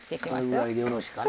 これぐらいでよろしかな。